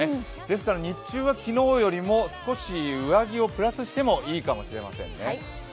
ですから日中よりも少し上着をプラスしてもいいかもしれませんね。